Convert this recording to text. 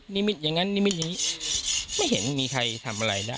นิมิตอย่างงั้นนิมิตอย่างงี้ไม่เห็นมีใครทำอะไรได้